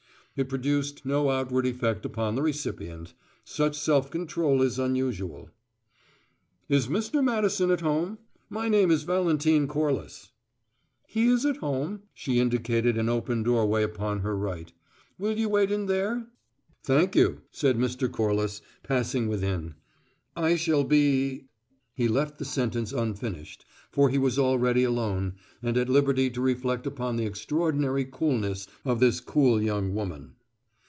It produced no outward effect upon the recipient. Such self control is unusual. "Is Mr. Madison at home? My name is Valentine Corliss." "He is at home." She indicated an open doorway upon her right. "Will you wait in there?" "Thank you," said Mr. Corliss, passing within. "I shall be " He left the sentence unfinished, for he was already alone, and at liberty to reflect upon the extraordinary coolness of this cool young woman.